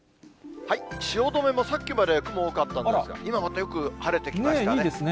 汐留もさっきまで雲多かったんですが、今またよく晴れてきましたね。